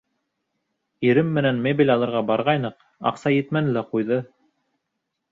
Ирем менән мебель алырға барғайныҡ, аҡса етмәне лә ҡуйҙы.